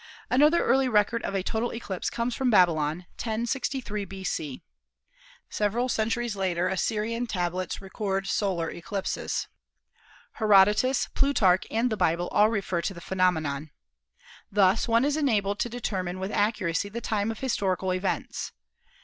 Another early record of a total eclipse comes from Baby lon, 1063 b.c. Several centuries later Assyrian tablets record solar eclipses. Herodotus, Plutarch and the Bible all refer to the phenomenon. Thus one is enabled to determine with accuracy the time of historical events.